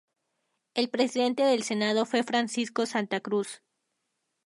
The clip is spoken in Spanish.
El presidente del Senado fue Francisco Santa Cruz.